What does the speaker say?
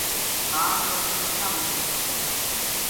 آن کے اس کا منہ پو چھنڈیا